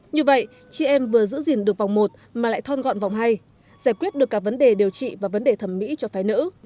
như vậy chị em vừa giữ gìn được vòng một mà lại thon gọn vòng hai giải quyết được cả vấn đề điều trị và vấn đề thẩm mỹ cho phái nữ